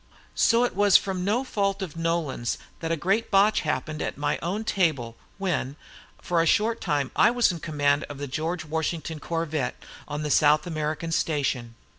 So it was from no fault of Nolan's that a great botch happened at my own table, when, for a short time, I was in command of the George Washington corvette, on the South American station.